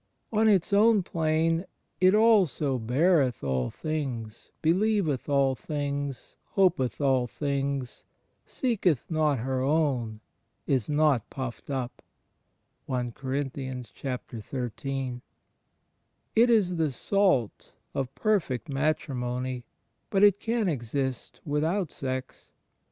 On its own plane, it also "beareth all things, beUeveth all things, hopeth all things ... seeketh not her own ... is not pujGFed up." * It is the salt of perfect matrimony, but it can exist without sex.